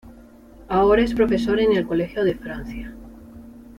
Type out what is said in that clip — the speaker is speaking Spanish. Ahora es profesor en el Colegio de Francia.